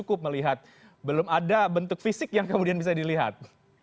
secara optimisme juga tidak cukup melihat belum ada bentuk fisik yang kemudian bisa dilihat